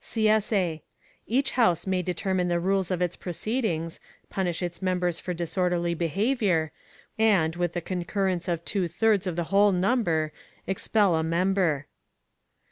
[CSA] Each House may determine the rules of its proceedings, punish its members for disorderly behavior, and, with the concurrence of two thirds of the whole number, expel a member.